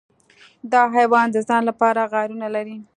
دا حیوان د ځان لپاره غارونه لري.